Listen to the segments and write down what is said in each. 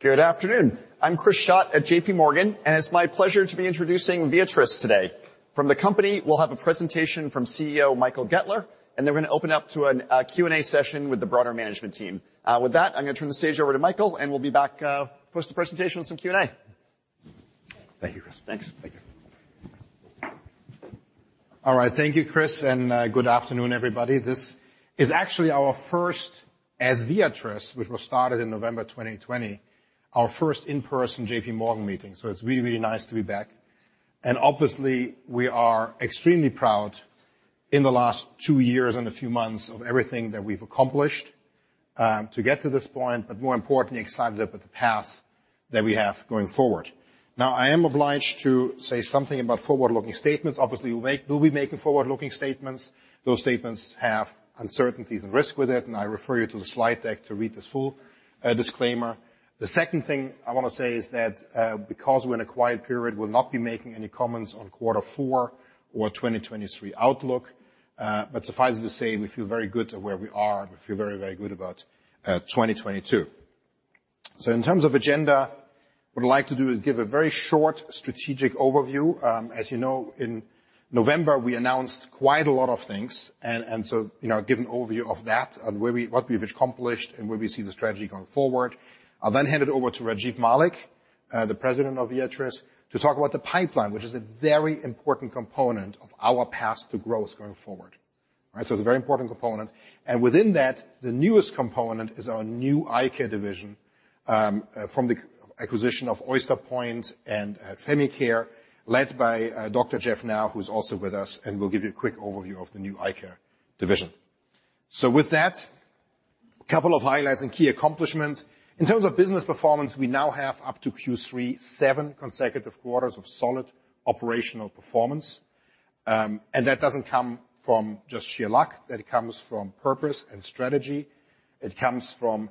Good afternoon. I'm Chris Schott at JPMorgan, it's my pleasure to be introducing Viatris today. From the company, we'll have a presentation from CEO Michael Goettler, then we're gonna open up to a Q&A session with the broader management team. With that, I'm gonna turn the stage over to Michael, and we'll be back post the presentation with some Q&A. Thank you, Chris. Thanks. Thank you. All right, thank you, Chris. Good afternoon, everybody. This is actually our first as Viatris, which was started in November 2020, our first in-person JPMorgan meeting, it's really nice to be back. Obviously, we are extremely proud in the last two years and a few months of everything that we've accomplished to get to this point, but more importantly, excited about the path that we have going forward. Now, I am obliged to say something about forward-looking statements. Obviously, we'll be making forward-looking statements. Those statements have uncertainties and risk with it. I refer you to the slide deck to read the full disclaimer. The second thing I wanna say is that because we're in a quiet period, we'll not be making any comments on quarter four or 2023 outlook. Suffice it to say, we feel very good to where we are, and we feel very good about 2022. In terms of agenda, what I'd like to do is give a very short strategic overview. As you know, in November, we announced quite a lot of things, you know, give an overview of that on what we've accomplished and where we see the strategy going forward. I'll then hand it over to Rajiv Malik, the President of Viatris, to talk about the pipeline, which is a very important component of our path to growth going forward. All right? It's a very important component. Within that, the newest component is our new Eye Care Division, from the acquisition of Oyster Point and Famy Care, led by Dr. Jeff Nau, who's also with us and will give you a quick overview of the new Eye Care Division. With that, couple of highlights and key accomplishments. In terms of business performance, we now have up to Q3, 7 consecutive quarters of solid operational performance. That doesn't come from just sheer luck. That comes from purpose and strategy. It comes from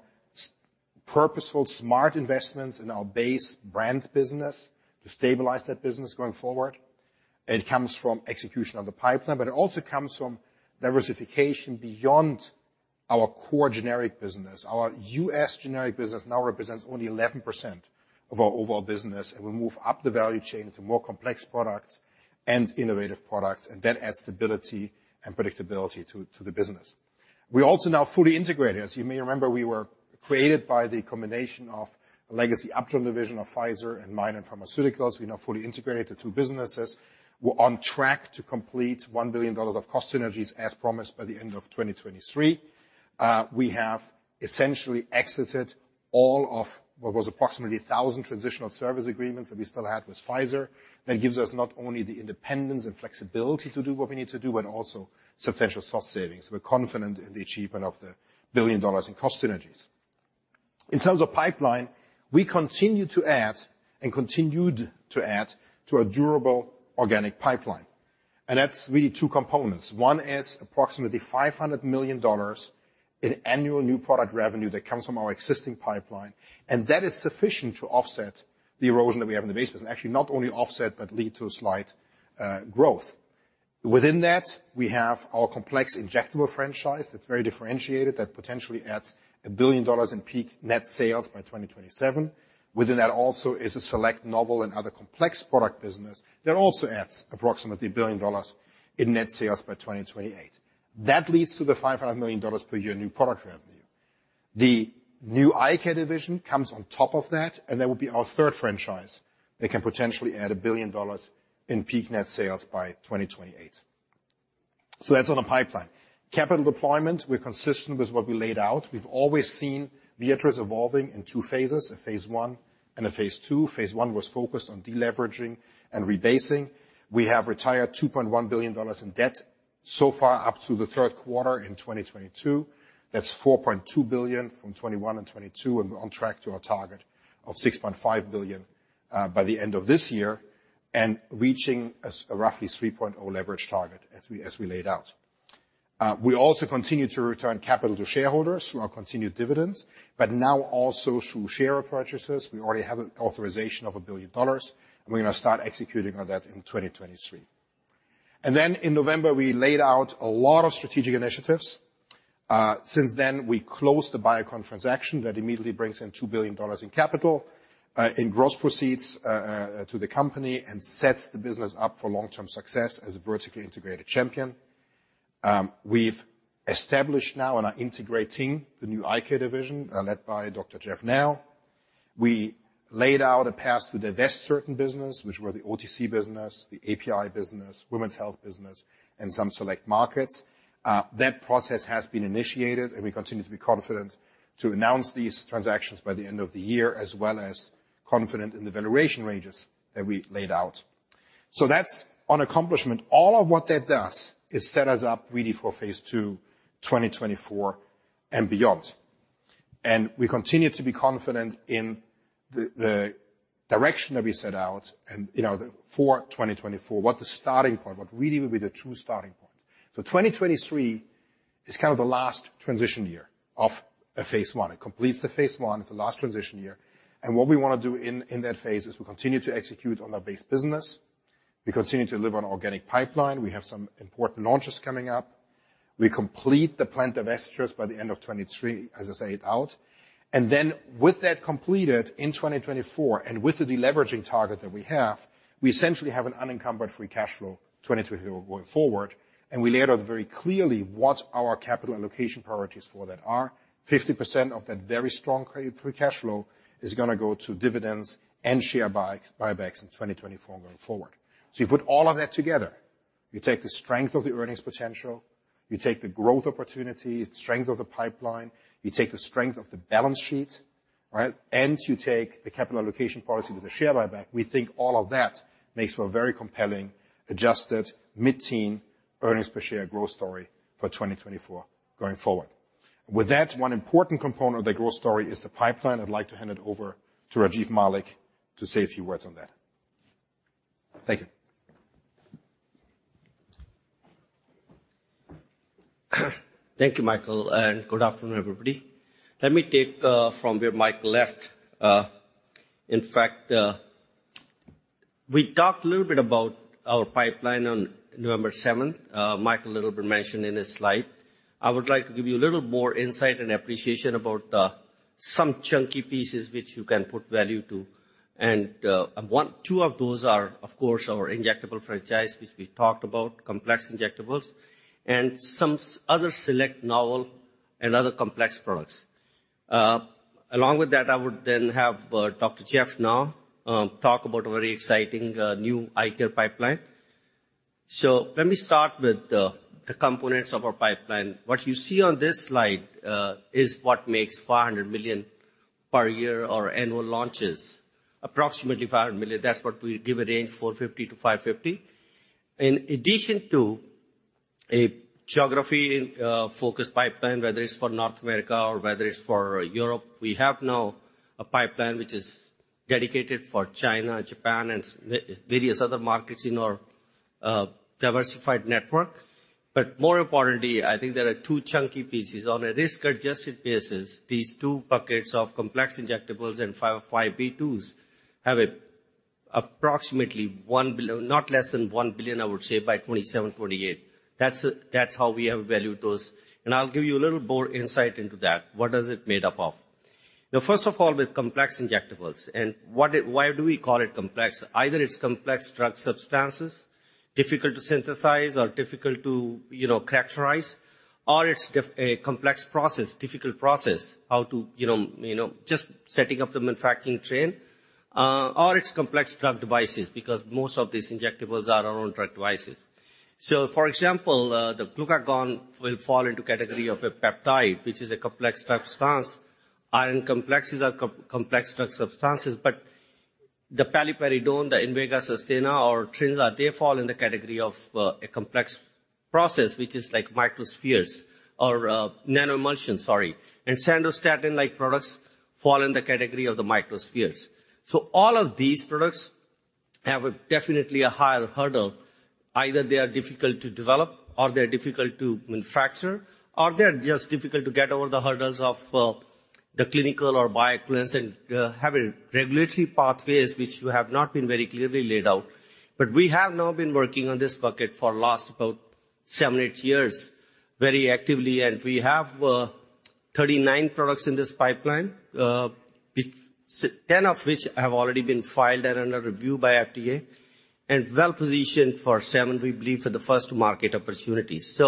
purposeful, smart investments in our base brand business to stabilize that business going forward. It comes from execution of the pipeline, but it also comes from diversification beyond our core generic business. Our U.S. generic business now represents only 11% of our overall business. We move up the value chain to more complex products and innovative products. That adds stability and predictability to the business. We also now fully integrated. As you may remember, we were created by the combination of legacy Upjohn division of Pfizer and Mylan Pharmaceuticals. We now fully integrated the two businesses. We're on track to complete $1 billion of cost synergies as promised by the end of 2023. We have essentially exited all of what was approximately 1,000 transitional service agreements that we still had with Pfizer. That gives us not only the independence and flexibility to do what we need to do, but also substantial cost savings. We're confident in the achievement of the $1 billion in cost synergies. In terms of pipeline, we continued to add to a durable organic pipeline. That's really two components. One is approximately $500 million in annual new product revenue that comes from our existing pipeline, and that is sufficient to offset the erosion that we have in the base business. Actually, not only offset, but lead to a slight growth. Within that, we have our complex injectable franchise that's very differentiated, that potentially adds $1 billion in peak net sales by 2027. Within that also is a select novel and other complex product business that also adds approximately $1 billion in net sales by 2028. That leads to the $500 million per year new product revenue. The new Eye Care Division comes on top of that would be our third franchise that can potentially add $1 billion in peak net sales by 2028. That's on the pipeline. Capital deployment, we're consistent with what we laid out. We've always seen Viatris evolving in two phases, a Phase I and a Phase II. Phase I was focused on deleveraging and rebasing. We have retired $2.1 billion in debt so far up to the third quarter in 2022. That's $4.2 billion from 2021 and 2022, we're on track to our target of $6.5 billion by the end of this year, and reaching a roughly 3.0 leverage target as we laid out. We also continue to return capital to shareholders through our continued dividends, but now also through share purchases. We already have an authorization of $1 billion, and we're gonna start executing on that in 2023. In November, we laid out a lot of strategic initiatives. Since then, we closed the Biocon transaction. That immediately brings in $2 billion in capital, in gross proceeds, to the company and sets the business up for long-term success as a vertically integrated champion. We've established now and are integrating the new Eye Care Division, led by Dr. Jeff Nau. We laid out a path to divest certain business, which were the OTC business, the API business, women's health business, and some select markets. That process has been initiated. We continue to be confident to announce these transactions by the end of the year as well as confident in the valuation ranges that we laid out. That's on accomplishment. All of what that does is set us up really for phase two, 2024 and beyond. We continue to be confident in the direction that we set out and, you know, the for 2024, what really will be the true starting point. 2023 is kind of the last transition year of phase one. It completes the phase one. It's the last transition year. What we wanna do in that phase is we continue to execute on our base business. We continue to deliver on organic pipeline. We have some important launches coming up. We complete the plant divestitures by the end of 2023, as I said out. Then with that completed in 2024, and with the deleveraging target that we have, we essentially have an unencumbered free cash flow 2023 going forward. We laid out very clearly what our capital allocation priorities for that are. 50% of that very strong free cash flow is gonna go to dividends and share buybacks in 2024 going forward. You put all of that together. You take the strength of the earnings potential, you take the growth opportunity, strength of the pipeline, you take the strength of the balance sheet, right? You take the capital allocation priority with the share buyback. We think all of that makes for a very compelling adjusted mid-teen earnings per share growth story for 2024 going forward. One important component of the growth story is the pipeline. I'd like to hand it over to Rajiv Malik to say a few words on that. Thank you. Thank you, Michael. Good afternoon, everybody. Let me take from where Michael left. In fact, we talked a little bit about our pipeline on November seventh. Michael little bit mentioned in his slide. I would like to give you a little more insight and appreciation about some chunky pieces which you can put value to. Two of those are, of course, our injectable franchise, which we talked about, complex injectables, and some other select novel and other complex products. Along with that, I would then have Dr. Jeffrey Nau talk about a very exciting new eye care pipeline. Let me start with the components of our pipeline. What you see on this slide is what makes $500 million per year our annual launches. Approximately $500 million. That's what we give a range, $450-$550. In addition to a geography focused pipeline, whether it's for North America or whether it's for Europe, we have now a pipeline which is dedicated for China, Japan, and various other markets in our diversified network. More importantly, I think there are two chunky pieces. On a risk-adjusted basis, these two buckets of complex injectables and 505(b)(2)s have approximately not less than $1 billion, I would say, by 2027, 2028. That's how we have valued those. I'll give you a little more insight into that. What is it made up of? First of all, with complex injectables and why do we call it complex? Either it's complex drug substances, difficult to synthesize or difficult to, you know, characterize, or it's a complex process, difficult process, how to, you know, just setting up the manufacturing chain, or it's complex drug devices, because most of these injectables are our own drug devices. For example, the glucagon will fall into category of a peptide, which is a complex substance. iron complexes are complex drug substances, but the Paliperidone, the Invega Sustenna or Trinza, they fall in the category of a complex process, which is like microspheres or nanoemulsion, sorry. Sandostatin like products fall in the category of the microspheres. All of these products have a definitely a higher hurdle. Either they are difficult to develop, or they're difficult to manufacture, or they're just difficult to get over the hurdles of the clinical or bioequivalence and have a regulatory pathways which have not been very clearly laid out. We have now been working on this bucket for last about seven, eight years very actively, and we have 39 products in this pipeline. 10 of which have already been filed and under review by FDA and well-positioned for seven, we believe, for the first market opportunities.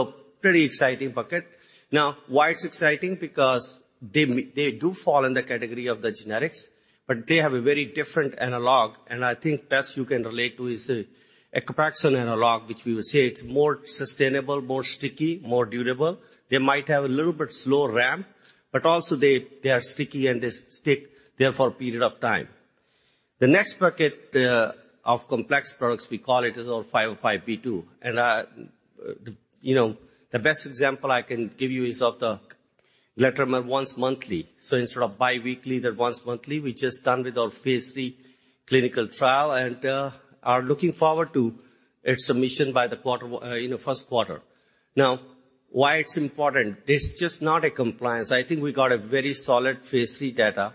Pretty exciting bucket. Now why it's exciting? Because they do fall in the category of the generics, but they have a very different analog, and I think best you can relate to is the Eliquis analog, which we would say it's more sustainable, more sticky, more durable. They might have a little bit slower ramp, but also they are sticky and they stick there for a period of time. The next bucket of complex products we call it is our 505(b)(2). You know, the best example I can give you is of the Letermovir once monthly. Instead of biweekly, they're once monthly. We just done with our phase III clinical trial and are looking forward to its submission by the quarter in the first quarter. Why it's important? It's just not a compliance. I think we got a very solid phase III data,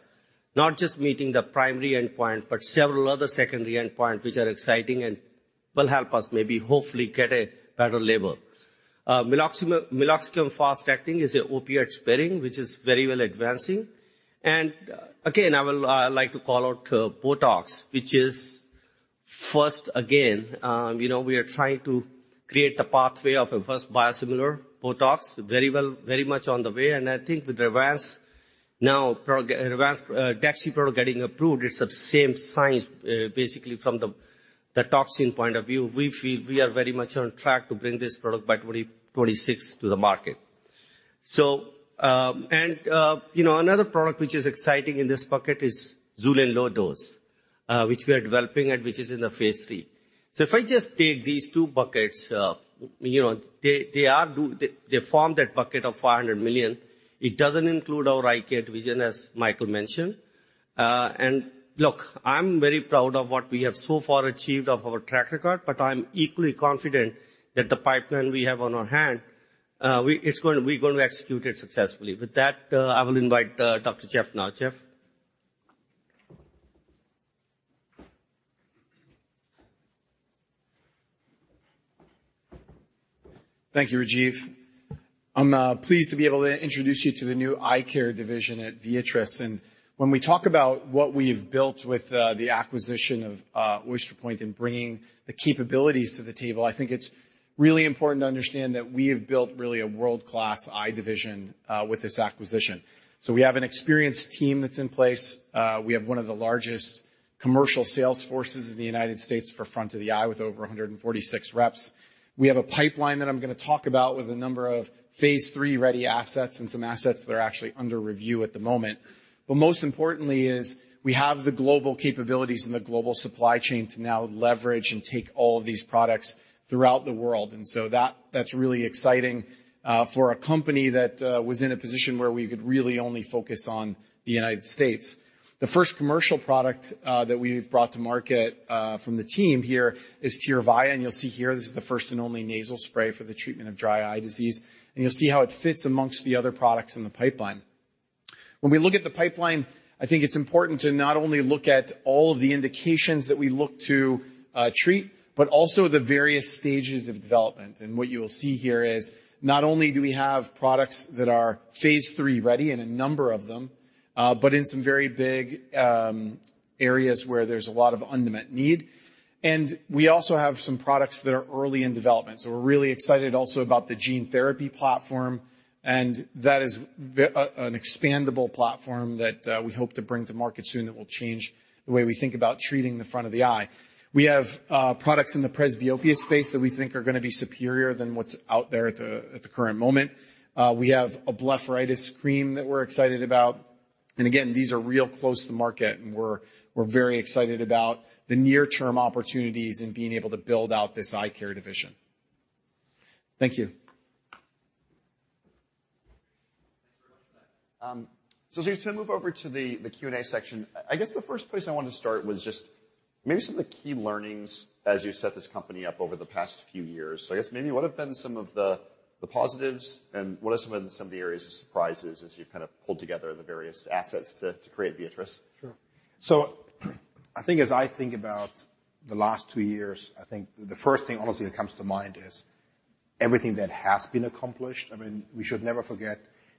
not just meeting the primary endpoint, but several other secondary endpoint, which are exciting and will help us maybe hopefully get a better label. Meloxicam fast acting is a opioid sparing, which is very well advancing. Again, I will like to call out Botox, which is first again. You know, we are trying to create the pathway of a first biosimilar Botox, very well, very much on the way. I think with Revance now Daxxify product getting approved, it's the same science basically from the toxin point of view. We feel we are very much on track to bring this product by 2026 to the market. You know, another product which is exciting in this bucket is Xulane low dose, which we are developing and which is in phase III. If I just take these two buckets, you know, They form that bucket of $500 million. It doesn't include our Eye Care vision, as Michael mentioned. Look, I'm very proud of what we have so far achieved of our track record, but I'm equally confident that the pipeline we have on our hand, we're gonna execute it successfully. With that, I will invite Dr. Jeff Nau. Jeff? Thank you, Rajiv. I'm pleased to be able to introduce you to the new Eye Care Division at Viatris. When we talk about what we've built with the acquisition of Oyster Point and bringing the capabilities to the table, I think it's really important to understand that we have built really a world-class Eye Division with this acquisition. We have an experienced team that's in place. We have one of the largest commercial sales forces in the United States for front of the eye, with over 146 reps. We have a pipeline that I'm gonna talk about with a number of phase III ready assets and some assets that are actually under review at the moment. Most importantly is we have the global capabilities and the global supply chain to now leverage and take all of these products throughout the world. That, that's really exciting for a company that was in a position where we could really only focus on the United States. The first commercial product that we've brought to market from the team here is Tyrvaya. You'll see here, this is the first and only nasal spray for the treatment of dry eye disease. You'll see how it fits amongst the other products in the pipeline. When we look at the pipeline, I think it's important to not only look at all of the indications that we look to treat, but also the various stages of development. What you'll see here is not only do we have products that are phase III ready, and a number of them, but in some very big areas where there's a lot of unmet need. We also have some products that are early in development. We're really excited also about the gene therapy platform, and that is an expandable platform that we hope to bring to market soon that will change the way we think about treating the front of the eye. We have products in the presbyopia space that we think are gonna be superior than what's out there at the, at the current moment. We have a blepharitis cream that we're excited about. Again, these are real close to market, and we're very excited about the near term opportunities in being able to build out this Eye Care Division. Thank you. Thanks very much for that. As we move over to the Q&A section, I guess the first place I wanted to start was just maybe some of the key learnings as you set this company up over the past few years. I guess maybe what have been some of the positives and what have some been some of the areas of surprises as you've kind of pulled together the various assets to create Viatris? Sure. I think as I think about the last two years, I think the first thing honestly that comes to mind is everything that has been accomplished. I mean, we should never forget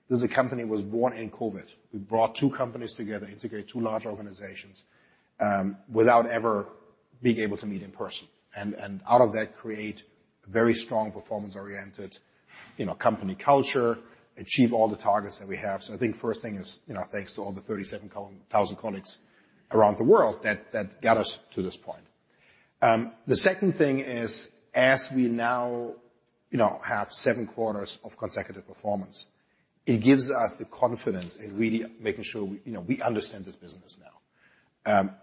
this is a company was born in COVID. We brought two companies together, integrated two large organizations, without ever being able to meet in person. And out of that create a very strong performance-oriented, you know, company culture, achieve all the targets that we have. I think first thing is, you know, thanks to all the 37,000 colleagues around the world that got us to this point. The second thing is, as we now, you know, have seven quarters of consecutive performance, it gives us the confidence in really making sure we, you know, we understand this business now.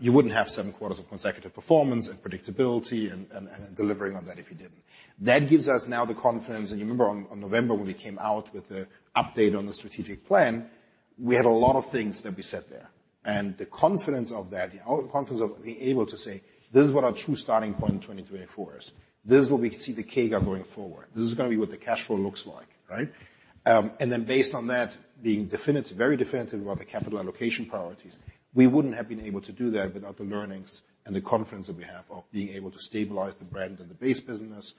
You wouldn't have seven quarters of consecutive performance and predictability and delivering on that if you didn't. That gives us now the confidence. You remember on November when we came out with the update on the strategic plan, we had a lot of things that we said there. The confidence of that, the confidence of being able to say, "This is what our true starting point in 2024 is. This is where we can see the CAGR going forward. This is gonna be what the cash flow looks like." Right? Based on that being definitive, very definitive about the capital allocation priorities, we wouldn't have been able to do that without the learnings and the confidence that we have of being able to stabilize the brand and the base business,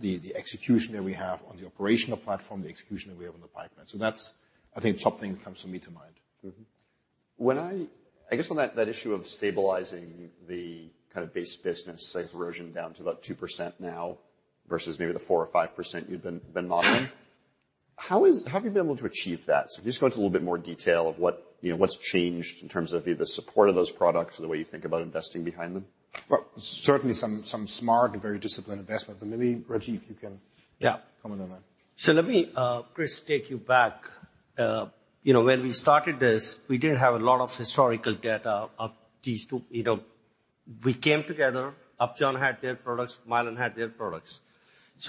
the execution that we have on the operational platform, the execution that we have on the pipeline. That's, I think, something comes to me to mind. I guess on that issue of stabilizing the kind of base business, say erosion down to about 2% now versus maybe the 4% or 5% you've been modeling, how have you been able to achieve that? Just go into a little bit more detail of what, you know, what's changed in terms of either the support of those products or the way you think about investing behind them. Well, certainly some smart and very disciplined investment. Maybe, Rajiv. Yeah. comment on that. Let me, Chris, take you back. You know, when we started this, we didn't have a lot of historical data of these two. You know, we came together. Upjohn had their products, Mylan had their products.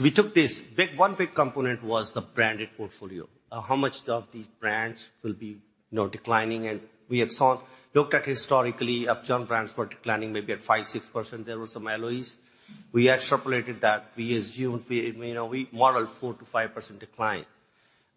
We took this big. One big component was the branded portfolio. How much of these brands will be, you know, declining? We had looked at historically Upjohn brands were declining maybe at 5%, 6%. There were some LOEs. We extrapolated that. We assumed we, you know, we modeled 4%-5% decline.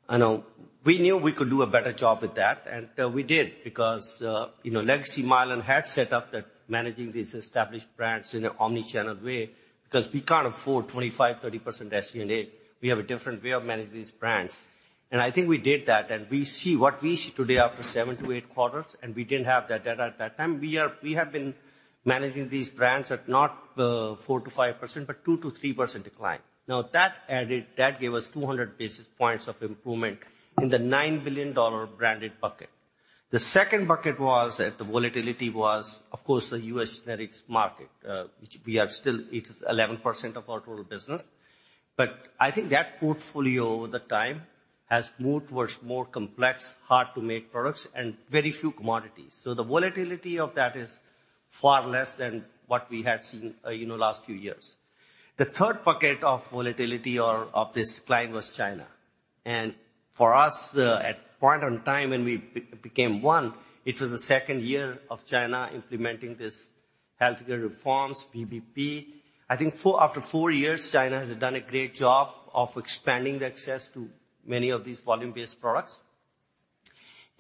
I know we knew we could do a better job with that, and we did because, you know, legacy Mylan had set up that managing these established brands in an omnichannel way because we can't afford 25%, 30% SG&A. We have a different way of managing these brands. I think we did that, and we see what we see today after seven to eight quarters, and we didn't have that data at that time. We have been managing these brands at not 4% to 5%, but 2% to 3% decline. Now that gave us 200 basis points of improvement in the $9 billion branded bucket. The second bucket was that the volatility was, of course, the U.S. generics market, which we are still. It is 11% of our total business. I think that portfolio over the time has moved towards more complex, hard to make products and very few commodities. The volatility of that is far less than what we had seen, you know, last few years. The third bucket of volatility or of this decline was China. For us, the at point in time when we became one, it was the 2nd year of China implementing this healthcare reforms, VBP. I think after 4 years, China has done a great job of expanding the access to many of these volume-based products.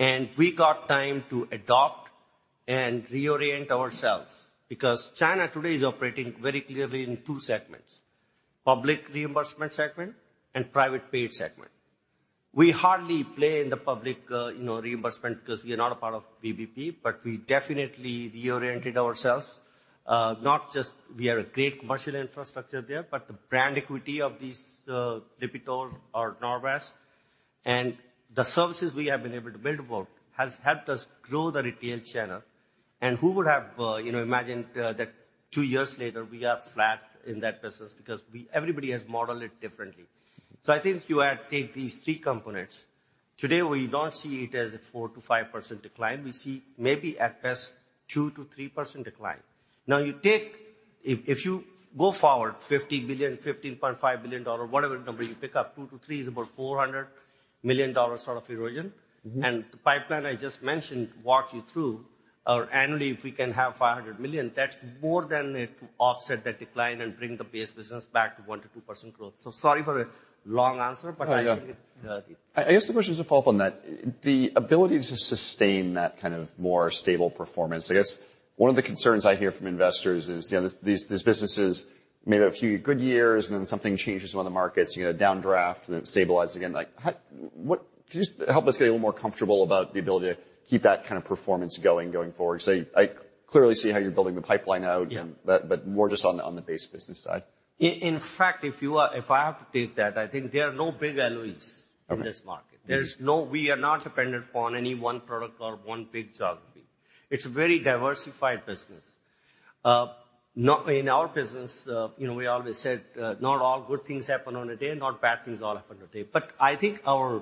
We got time to adopt and reorient ourselves, because China today is operating very clearly in 2 segments, public reimbursement segment and private paid segment. We hardly play in the public, you know, reimbursement because we are not a part of VBP, but we definitely reoriented ourselves, not just we are a great commercial infrastructure there, but the brand equity of these, Lipitor or Norvasc and the services we have been able to build for has helped us grow the retail channel. Who would have, you know, imagined that 2 years later we are flat in that business because everybody has modeled it differently. I think you have take these three components. Today, we don't see it as a 4%-5% decline. We see maybe at best 2%-3% decline. You take If you go forward $50 billion, $15.5 billion, whatever number you pick up, 2%-3% is about $400 million sort of erosion. Mm-hmm. The pipeline I just mentioned walk you through, or annually if we can have $500 million, that's more than enough to offset the decline and bring the base business back to 1%-2% growth. Sorry for the long answer, but I think it. Oh, yeah. did. I guess the question is to follow up on that. The ability to sustain that kind of more stable performance, I guess one of the concerns I hear from investors is, you know, these businesses may have a few good years, and then something changes among the markets, you know, a downdraft, and then it stabilizes again. What... Could you just help us get a little more comfortable about the ability to keep that kind of performance going forward? 'Cause I clearly see how you're building the pipeline out- Yeah. More just on the base business side. In fact, if I have to take that, I think there are no big LIs- Okay. in this market. Mm-hmm. We are not dependent upon any one product or one big geography. It's a very diversified business. In our business, you know, we always said, not all good things happen on a day, not bad things all happen on a day. I think our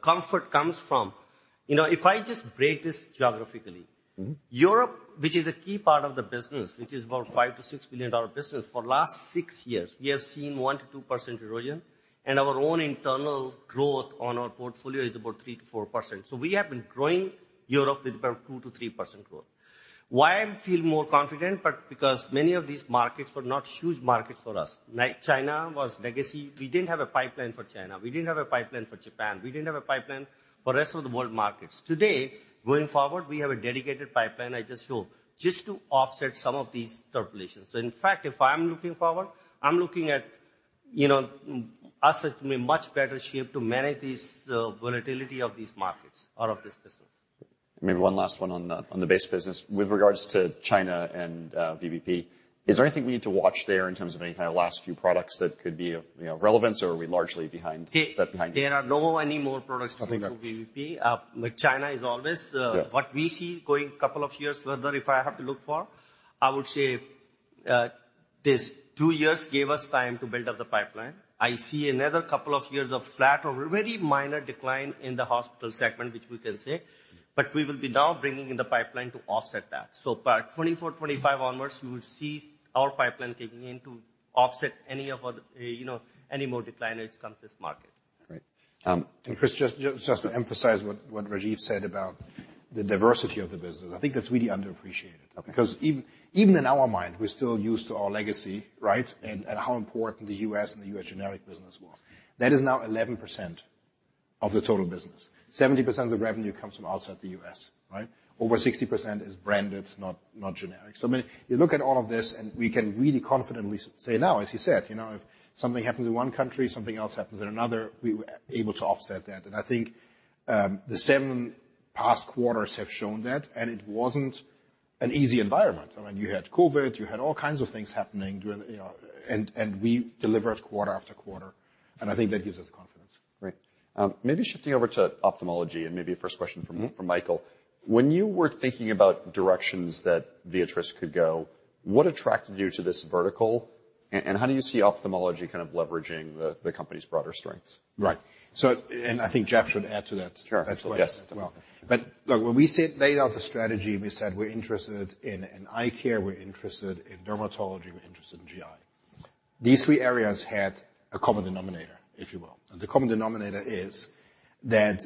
comfort comes from... You know, if I just break this geographically- Mm-hmm. Europe, which is a key part of the business, which is about $5 billion-$6 billion business, for the last six years we have seen 1%-2% erosion. Our own internal growth on our portfolio is about 3%-4%. We have been growing Europe with about 2%-3% growth. Why I feel more confident, but because many of these markets were not huge markets for us. Like China was legacy. We didn't have a pipeline for China. We didn't have a pipeline for Japan. We didn't have a pipeline for rest of the world markets. Today, going forward, we have a dedicated pipeline I just showed just to offset some of these turbulences. In fact, if I'm looking forward, I'm looking at, you know, us to be in much better shape to manage these, the volatility of these markets out of this business. Maybe one last one on the base business. With regards to China and VBP, is there anything we need to watch there in terms of any kind of last few products that could be of, you know, relevance, or are we largely behind it? There are no any more products coming to VBP. Nothing to- like China is always. Yeah. What we see going couple of years further, if I have to look for, I would say, this two years gave us time to build up the pipeline. I see another couple of years of flat or very minor decline in the hospital segment, which we can say. Mm-hmm. We will be now bringing in the pipeline to offset that. By 2024, 2025 onwards, you will see our pipeline kicking in to offset any of other, you know, any more decline which comes to this market. Right. Chris, just to emphasize what Rajiv said about the diversity of the business, I think that's really underappreciated. Okay. Because even in our mind, we're still used to our legacy, right? And how important the U.S. and the U.S. generic business was. That is now 11% of the total business. 70% of the revenue comes from outside the U.S., right? Over 60% is branded, not generic. I mean, you look at all of this, and we can really confidently say now, as you said, you know, if something happens in one country, something else happens in another, we were able to offset that. And I think the 7 past quarters have shown that, and it wasn't an easy environment. I mean, you had COVID, you had all kinds of things happening during, you know... And we delivered quarter after quarter. I think that gives us confidence. Great. Maybe shifting over to ophthalmology and maybe a first question. Mm-hmm. from Michael. When you were thinking about directions that Viatris could go, what attracted you to this vertical, and how do you see ophthalmology kind of leveraging the company's broader strengths? Right. And I think Jeff should add to that as well. Sure. Yes. Look, when we laid out the strategy, we said we're interested in eye care, we're interested in dermatology, we're interested in GI. These three areas had a common denominator, if you will. The common denominator is that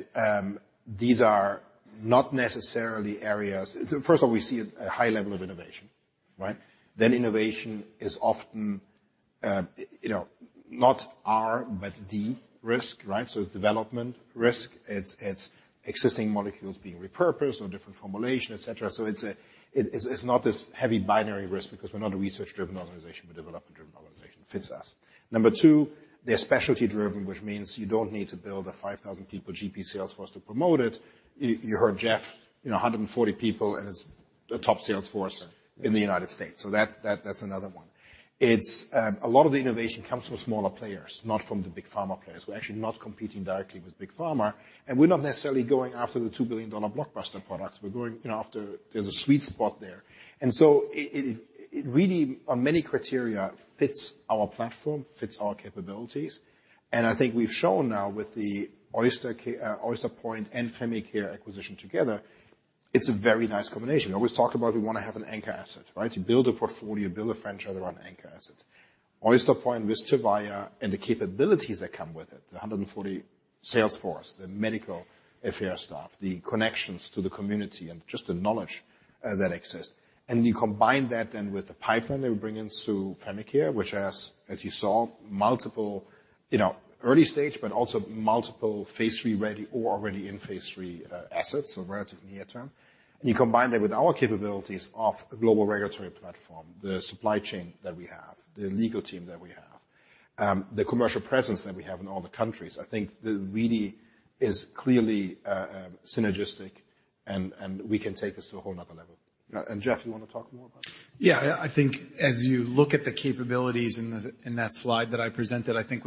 these are not necessarily areas. First of all, we see a high level of innovation, right? Innovation is often, you know, not our, but the risk, right? It's development risk. It's existing molecules being repurposed or different formulation, et cetera. It's not this heavy binary risk because we're not a research-driven organization. We're development-driven organization. Fits us. Number two, they're specialty driven, which means you don't need to build a 5,000 people GP sales force to promote it. You heard Jeff, you know, 140 people, and it's a top sales force. Right. in the United States. That's another one. It's a lot of the innovation comes from smaller players, not from the big pharma players. We're actually not competing directly with big pharma, and we're not necessarily going after the $2 billion blockbuster products. We're going, you know, after there's a sweet spot there. It really on many criteria fits our platform, fits our capabilities, and I think we've shown now with the Oyster Point and Famy Care acquisition together, it's a very nice combination. We always talk about we wanna have an anchor asset, right? You build a portfolio, build a franchise around anchor assets. Oyster Point with Tyrvaya and the capabilities that come with it, the 140 sales force, the medical affair staff, the connections to the community and just the knowledge that exists. You combine that then with the pipeline that we bring in through PenniCare, which has, as you saw, multiple, you know, early stage, but also multiple phase III ready or already in phase III assets, so relatively near term. You combine that with our capabilities of a global regulatory platform, the supply chain that we have, the legal team that we have, the commercial presence that we have in all the countries. I think that really is clearly synergistic, and we can take this to a whole another level. Jeff, you wanna talk more about it? I think as you look at the capabilities in that slide that I presented, I think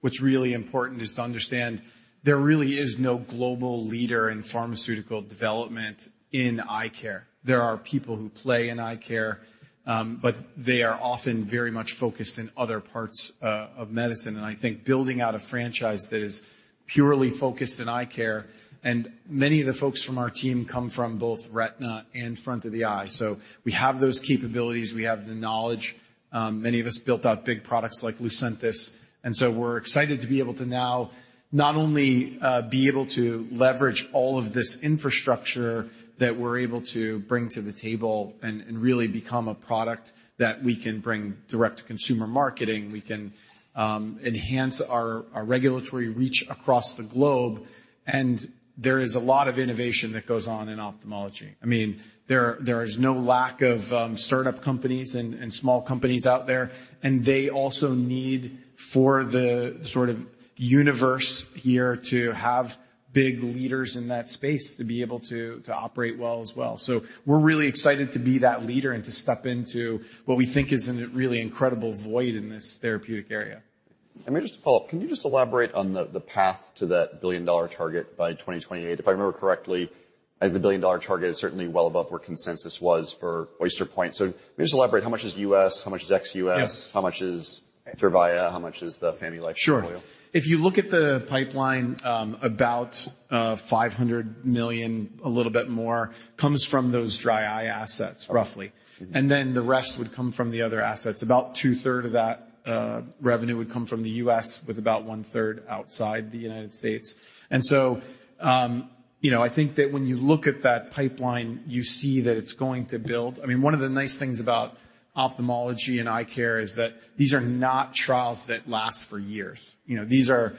what's really important is to understand there really is no global leader in pharmaceutical development in eye care. There are people who play in eye care, but they are often very much focused in other parts of medicine. I think building out a franchise that is purely focused in eye care, and many of the folks from our team come from both retina and front of the eye. We have those capabilities, we have the knowledge. Many of us built out big products like Lucentis, and so we're excited to be able to now not only be able to leverage all of this infrastructure that we're able to bring to the table and really become a product that we can bring direct-to-consumer marketing. We can enhance our regulatory reach across the globe. There is a lot of innovation that goes on in ophthalmology. I mean, there is no lack of startup companies and small companies out there, and they also need for the sort of universe here to have big leaders in that space to be able to operate well as well. We're really excited to be that leader and to step into what we think is an really incredible void in this therapeutic area. Maybe just to follow up, can you just elaborate on the path to that billion-dollar target by 2028? If I remember correctly, the billion-dollar target is certainly well above where consensus was for Oyster Point. Maybe just elaborate how much is U.S., how much is ex-U.S.- Yes. How much is Tyrvaya? How much is the Famy Care portfolio? Sure. If you look at the pipeline, $500 million, a little bit more comes from those dry eye assets, roughly. Okay. The rest would come from the other assets. About 2/3 of that revenue would come from the US, with about 1/3 outside the United States. You know, I think that when you look at that pipeline, you see that it's going to build. I mean, one of the nice things about ophthalmology and eye care is that these are not trials that last for years. You know, these are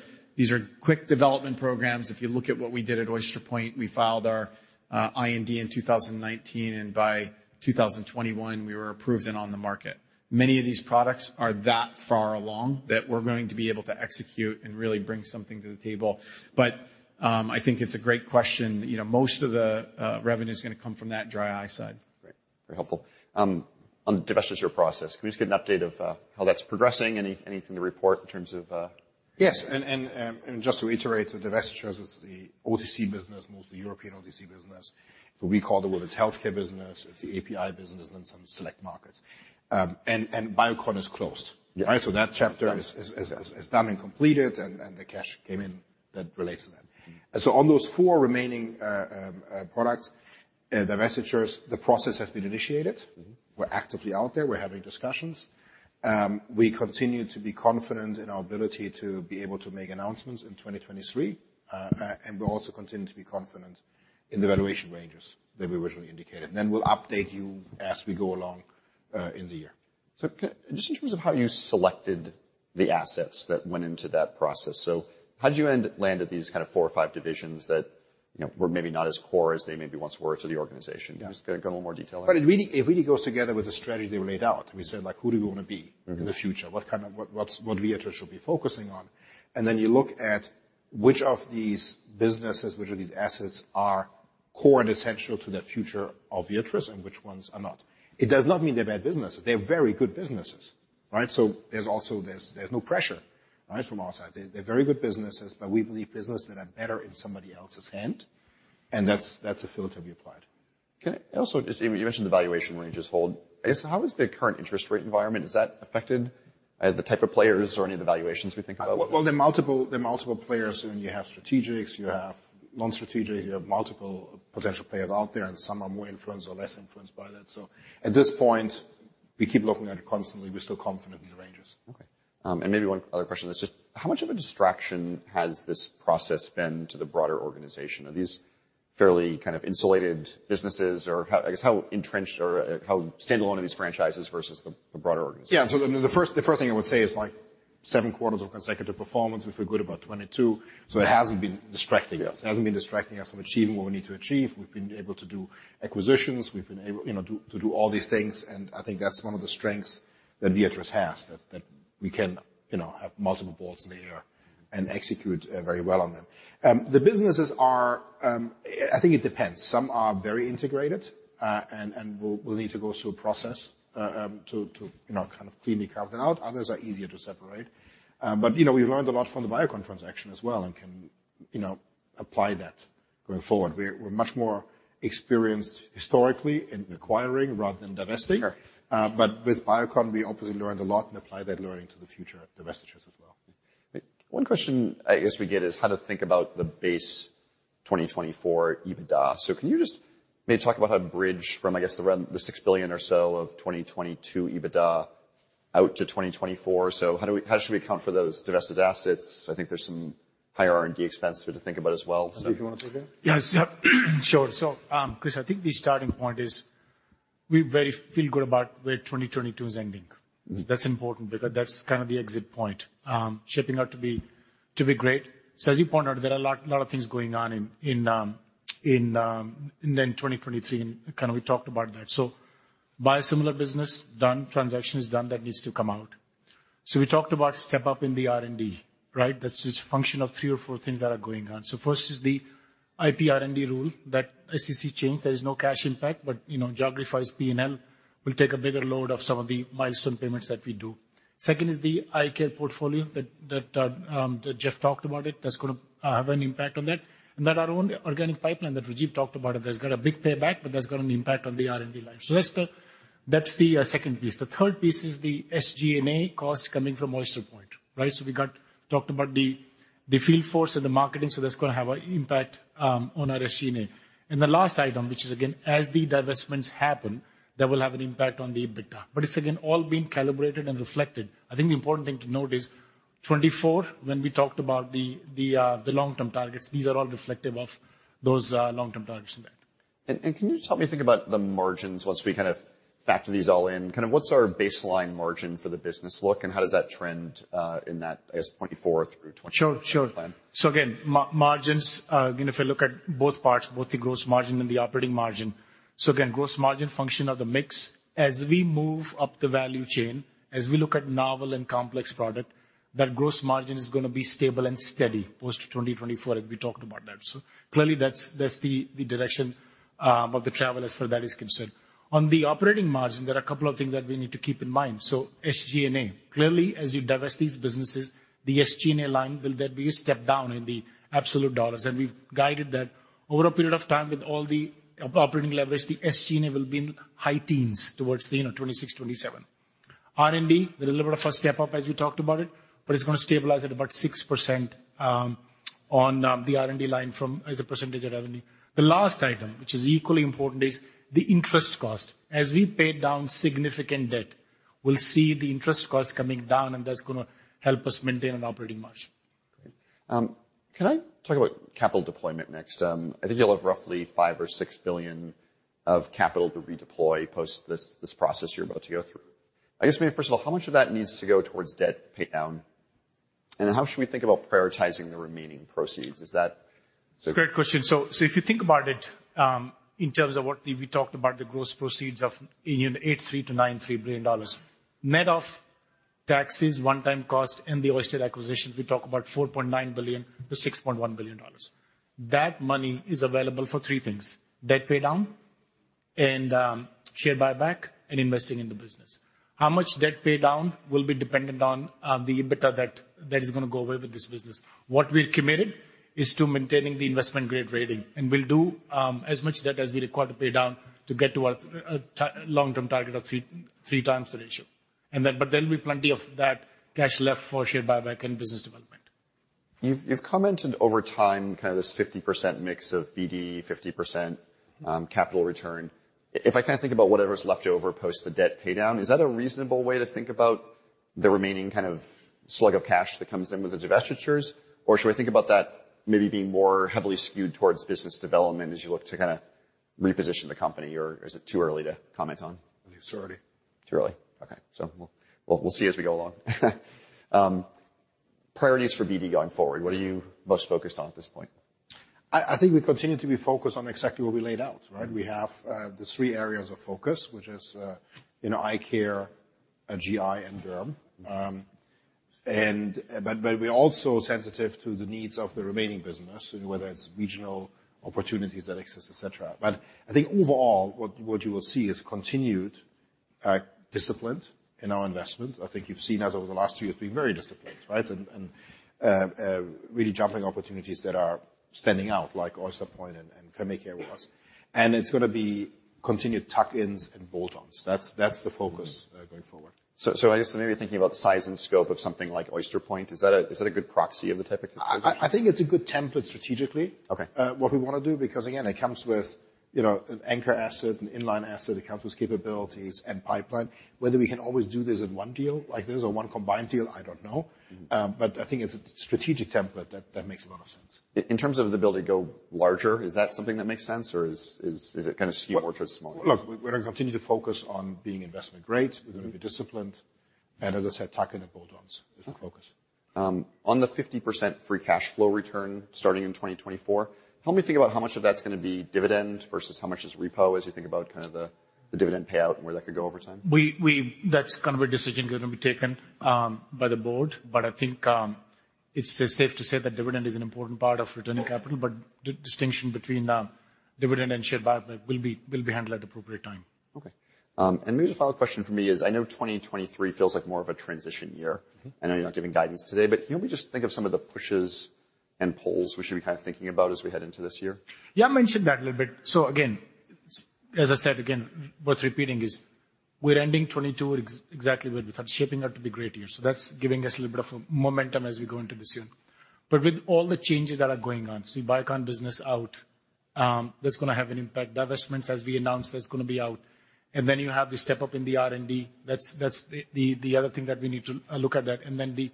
quick development programs. If you look at what we did at Oyster Point Pharma, we filed our IND in 2019, and by 2021, we were approved and on the market. Many of these products are that far along that we're going to be able to execute and really bring something to the table. I think it's a great question. You know, most of the revenue is gonna come from that dry eye side. Great. Very helpful. On the divestiture process, can we just get an update of, how that's progressing? Anything to report in terms of? Yes. Just to reiterate, the divestitures is the OTC business, mostly European OTC business. We call the women's healthcare business, it's the API business in some select markets. Biocon is closed. Yeah. All right? That chapter is done and completed, and the cash came in that relates to that. Mm-hmm. On those four remaining products, divestitures, the process has been initiated. Mm-hmm. We're actively out there. We're having discussions. We continue to be confident in our ability to be able to make announcements in 2023. We also continue to be confident in the valuation ranges that we originally indicated. We'll update you as we go along in the year. Just in terms of how you selected the assets that went into that process. How'd you land at these kind of four or five divisions that, you know, were maybe not as core as they maybe once were to the organization? Yeah. Just kinda go in more detail on that. It really goes together with the strategy we laid out. We said, like, "Who do we wanna be? Mm-hmm. In the future? What's Viatris should be focusing on? You look at which of these businesses, which of these assets are core and essential to the future of Viatris and which ones are not. It does not mean they're bad businesses. They're very good businesses, right? There's also there's no pressure, right? From our side. They're very good businesses, but we believe businesses that are better in somebody else's hand, and that's the filter we applied. Okay. Also just you mentioned the valuation ranges hold. I guess how has the current interest rate environment, has that affected the type of players or any of the valuations we think about? Well, there are multiple players. I mean, you have strategics, you have non-strategics. You have multiple potential players out there, and some are more influenced or less influenced by that. At this point, we keep looking at it constantly. We're still confident in the ranges. Okay. Maybe one other question is just how much of a distraction has this process been to the broader organization? Are these fairly kind of insulated businesses or I guess how entrenched or how standalone are these franchises versus the broader organization? The first thing I would say is like seven quarters of consecutive performance, we feel good about 2022. It hasn't been distracting us. Yeah. It hasn't been distracting us from achieving what we need to achieve. We've been able to do acquisitions. We've been able, you know, to do all these things, and I think that's one of the strengths that Viatris has. That we can, you know, have multiple balls in the air and execute very well on them. The businesses are. I think it depends. Some are very integrated, and we'll need to go through a process to, you know, kind of cleanly carve that out. Others are easier to separate. You know, we've learned a lot from the Biocon transaction as well and can, you know, apply that going forward. We're much more experienced historically in acquiring rather than divesting. Sure. With Biocon, we obviously learned a lot and apply that learning to the future divestitures as well. One question I guess we get is how to think about the base 2024 EBITDA. Can you just maybe talk about how to bridge from, I guess, the $6 billion or so of 2022 EBITDA-Out to 2024. How should we count for those divested assets? I think there's some higher R&D expense to think about as well. Rajiv, do you wanna take it? Yes. Yep. Sure. Chris, I think the starting point is we feel good about where 2022 is ending. Mm-hmm. That's important because that's kind of the exit point, shaping up to be great. As you pointed out, there are a lot of things going on in 2023 and kind of we talked about that. Biosimilar business, done. Transaction is done. That needs to come out. We talked about step up in the R&D, right? That's just function of three or four things that are going on. First is the IP R&D rule that SEC changed. There is no cash impact, but, you know, geography-wise, P&L will take a bigger load of some of the milestone payments that we do. Second is the eye care portfolio that Jeff talked about it. That's gonna have an impact on that. Our own organic pipeline that Rajiv talked about, that's got a big payback, but that's got an impact on the R&D line. That's the second piece. The third piece is the SG&A cost coming from Oyster Point, right? We talked about the field force and the marketing, that's gonna have an impact on our SG&A. The last item, which is again, as the divestments happen, that will have an impact on the EBITDA. It's again all been calibrated and reflected. I think the important thing to note is 2024, when we talked about the long-term targets, these are all reflective of those long-term targets in there. Can you just help me think about the margins once we kind of factor these all in? Kind of what's our baseline margin for the business look, how does that trend in that, I guess, 2024 through twenty-? Sure, sure -plan? Again, margins, you know, if you look at both parts, both the gross margin and the operating margin, again, gross margin function of the mix. As we move up the value chain, as we look at novel and complex product, that gross margin is gonna be stable and steady post-2024, and we talked about that. Clearly, that's the direction of the travel as far that is concerned. On the operating margin, there are a couple of things that we need to keep in mind. SG&A. Clearly, as you divest these businesses, the SG&A line will then be a step down in the absolute dollars, and we've guided that. Over a period of time with all the operating leverage, the SG&A will be in high teens towards the, you know, 2026, 2027. R&D, there's a little bit of a step-up, as we talked about it's gonna stabilize at about 6% on the R&D line from as a percentage of revenue. The last item, which is equally important, is the interest cost. As we pay down significant debt, we'll see the interest costs coming down, that's gonna help us maintain an operating margin. Great. Can I talk about capital deployment next? I think you'll have roughly $5 billion or $6 billion of capital to redeploy post this process you're about to go through. I guess, maybe first of all, how much of that needs to go towards debt pay down, and how should we think about prioritizing the remaining proceeds? It's a great question. If you think about it, in terms of what we talked about the gross proceeds of, you know, $8.3 billion-$9.3 billion, net of taxes, one-time cost, and the Oyster acquisition, we talk about $4.9 billion-$6.1 billion. That money is available for three things: debt pay down and share buyback and investing in the business. How much debt pay down will be dependent on the EBITDA that is gonna go away with this business. What we're committed is to maintaining the investment-grade rating, and we'll do as much debt as we require to pay down to get to our long-term target of 3x the ratio. There'll be plenty of that cash left for share buyback and business development. You've commented over time, kind of this 50% mix of BD, 50% capital return. If I kinda think about whatever's left over post the debt pay down, is that a reasonable way to think about the remaining kind of slug of cash that comes in with the divestitures? Should I think about that maybe being more heavily skewed towards business development as you look to kinda reposition the company or is it too early to comment on? I think it's too early. Too early? Okay. We'll see as we go along. Priorities for BD going forward, what are you most focused on at this point? I think we continue to be focused on exactly what we laid out, right? We have the three areas of focus, which is, you know, eye care, GI, and derm. But we're also sensitive to the needs of the remaining business, whether it's regional opportunities that exist, et cetera. But I think overall, what you will see is continued discipline in our investment. I think you've seen us over the last two years being very disciplined, right? And really jumping opportunities that are standing out like Oyster Point and Famy Care with us. It's gonna be continued tuck-ins and bolt-ons. That's the focus going forward. so I guess maybe thinking about the size and scope of something like Oyster Point, is that a good proxy of the type of? I think it's a good template strategically. Okay. What we wanna do, because again, it comes with, you know, an anchor asset, an inline asset. It comes with capabilities and pipeline. Whether we can always do this in one deal like this or one combined deal, I don't know. I think it's a strategic template that makes a lot of sense. In terms of the ability to go larger, is that something that makes sense, or is it kinda skewed more towards smaller? Look, we're gonna continue to focus on being investment-grade. We're gonna be disciplined, and as I said, tuck-in and bolt-ons is the focus. On the 50% free cash flow return starting in 2024, help me think about how much of that's gonna be dividend versus how much is repo as you think about kind of the dividend payout and where that could go over time? That's kind of a decision gonna be taken by the board. I think it's safe to say that dividend is an important part of returning capital. The distinction between dividend and share buyback will be handled at appropriate time. Okay. maybe the final question from me is, I know 2023 feels like more of a transition year. Mm-hmm. I know you're not giving guidance today, but can you help me just think of some of the pushes and pulls we should be kind of thinking about as we head into this year? Yeah, I mentioned that a little bit. Again, as I said, again, worth repeating is we're ending 2022 exactly where we thought, shaping up to be great year. That's giving us a little bit of a momentum as we go into this year. With all the changes that are going on, ViiV business out, that's gonna have an impact. Divestments, as we announced, that's gonna be out. Then you have the step-up in the R&D. That's the other thing that we need to look at that. Then the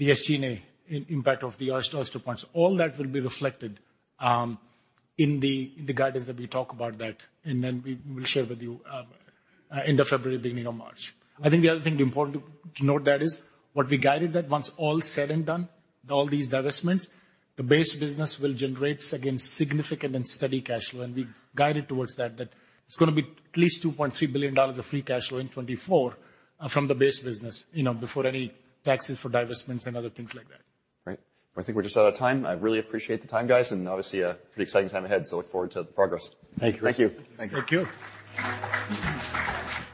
SG&A, impact of the Oyster Points. All that will be reflected in the guidance that we talk about that, and then we will share with you end of February, beginning of March. I think the other thing important to note there is what we guided that once all is said and done with all these divestments, the base business will generate again significant and steady cash flow. We guided towards that it's gonna be at least $2.3 billion of free cash flow in 2024 from the base business, you know, before any taxes for divestments and other things like that. Great. I think we're just out of time. I really appreciate the time, guys, and obviously a pretty exciting time ahead. Look forward to the progress. Thank you. Thank you. Thank you. Thank you.